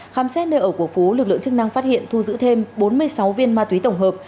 khám xét nơi ở của phú lực lượng chức năng phát hiện thu giữ thêm bốn mươi sáu viên ma túy tổng hợp